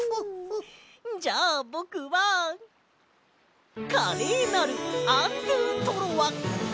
じゃあぼくは華麗なるアンドゥトロワ！